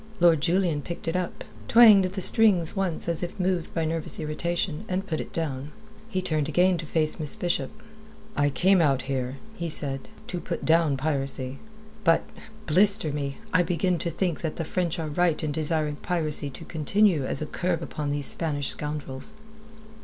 Lord Julian picked it up, twanged the strings once as if moved by nervous irritation, and put it down. He turned again to face Miss Bishop. "I came out here," he said, "to put down piracy. But blister me! I begin to think that the French are right in desiring piracy to continue as a curb upon these Spanish scoundrels."